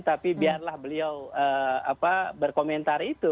tapi biarlah beliau berkomentar itu